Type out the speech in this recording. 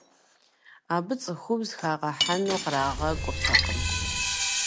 Абы цӏыхубз хагъэхьэну кърагъэкӏуртэкъым.